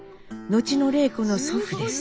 後の礼子の祖父です。